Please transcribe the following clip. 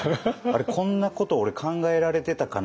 あれこんなこと俺考えられてたかな？